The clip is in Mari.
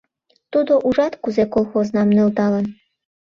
Тудо, ужат, кузе колхознам нӧлталын.